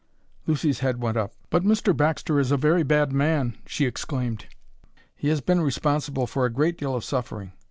Lucy's head went up. "But Mr. Baxter is a very bad man!" she exclaimed. "He has been responsible for a great deal of suffering.